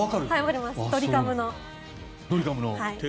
ドリカムの。